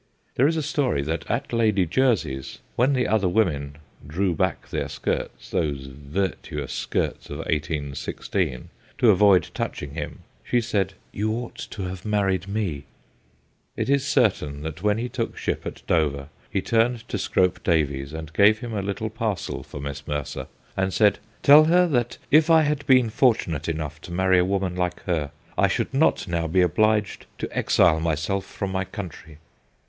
There is a story that at Lady Jersey's, when the other women drew back their skirts those virtuous skirts of 1816 ! to avoid touching him, she said, ' You ought to have married me/ It is certain that when he took ship at Dover he turned to Scrope Davies and gave him a little parcel for Miss Mercer, and said, ' Tell her that if I had been fortunate enough to marry a woman like her, I should not now be obliged to exile myself from my country.'